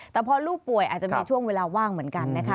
แต่พอลูกป่วยอาจจะมีช่วงเวลาว่างเหมือนกันนะคะ